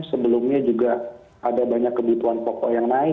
sebelumnya juga ada banyak kebutuhan pokok yang naik